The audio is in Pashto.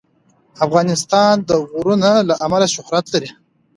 افغانستان د غرونه له امله شهرت لري.